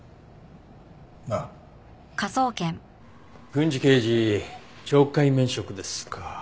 郡司刑事懲戒免職ですか。